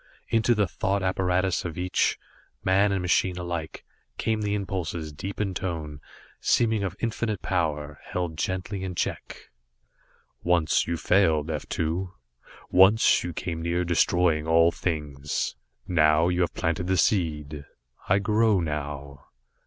Into the thought apparatus of each, man and machine alike, came the impulses, deep in tone, seeming of infinite power, held gently in check. "Once you failed, F 2; once you came near destroying all things. Now you have planted the seed. I grow now."